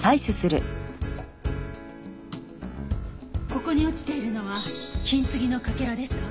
ここに落ちているのは金継ぎのかけらですか？